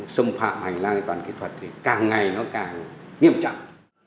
xâm phạm hành lang an toàn kỹ thuật thì càng ngày nó càng nghiêm trọng